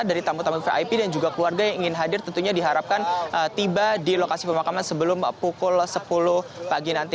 dari tamu tamu vip dan juga keluarga yang ingin hadir tentunya diharapkan tiba di lokasi pemakaman sebelum pukul sepuluh pagi nanti